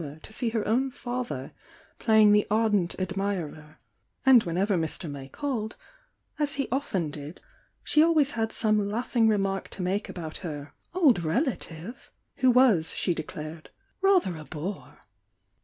our to see her own father playing the ardent admir er, and whenever Mr. May called, as he often did, she always had some laughing remark to make about her "old relative," who was, she declared, "rather a bore."